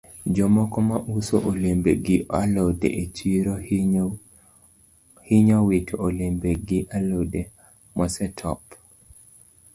Jomoko ma uso olembe gi alode e chiro hinyo wito olembe gi alode mosetop.